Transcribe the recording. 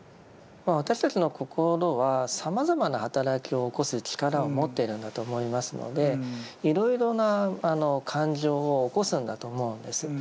私たちの心はさまざまな働きを起こす力を持っているんだと思いますのでいろいろな感情を起こすんだと思うんです。